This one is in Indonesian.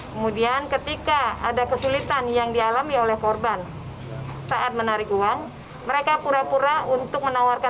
kemudian ketika ada kesulitan yang dialami oleh korban saat menarik uang mereka pura pura untuk menawarkan